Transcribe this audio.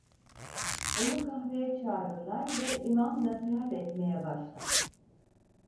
Onu kahveye çağırırlar ve imam nasihat etmeye başlar.